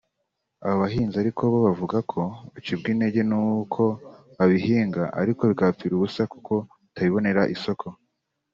Abo bahinzi ariko bo bavuga ko bacibwa intege n’uko babihinga ariko bikabapfira ubusa kuko batabibonera isoko